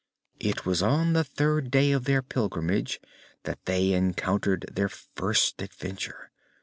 It was on the third day of their pilgrimage that they encountered their first adventure.